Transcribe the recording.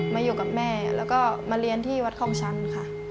มาอยู่กับแม่แล้วก็มาเรียนที่วัดคลองชันค่ะ